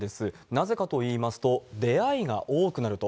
なぜかといいますと、出会いが多くなると。